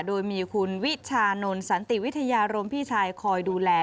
โดยมีคุณวิชานนท์สันติวิทยารมพี่ชายคอยดูแล